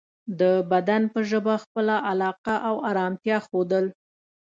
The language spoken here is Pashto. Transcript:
د بدن په ژبه خپله علاقه او ارامتیا ښودل